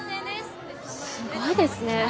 すごいですね。